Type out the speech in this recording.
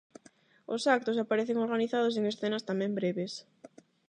Os actos aparecen organizados en escenas tamén breves.